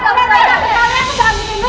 kau yang beli r situ